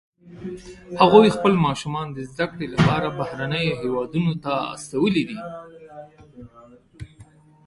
هغوی خپل ماشومان د زده کړې لپاره بهرنیو هیوادونو ته استولي دي